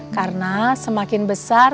karena semakin besar